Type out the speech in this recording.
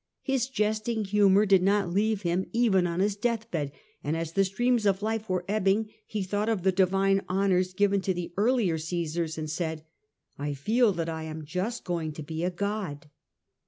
His jesting humour did not leave him even on his deathbed, and as the streams of life were ebbing he thought of the divine honours given to the earlier Caesars and said, ' I feel that I am just going to be a god.